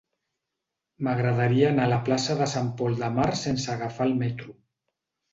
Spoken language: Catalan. M'agradaria anar a la plaça de Sant Pol de Mar sense agafar el metro.